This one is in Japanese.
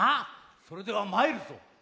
それではまいるぞ！